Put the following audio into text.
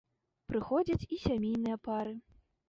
Прыходзяць і сямейныя пары.